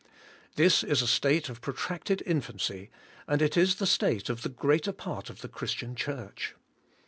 This is a state of protracted infanc} and it is the state of the greater part of the Christian church.